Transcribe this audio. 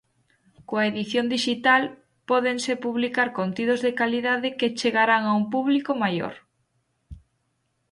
Coa edición dixital pódense publicar contidos de calidade que chegarán a un público maior.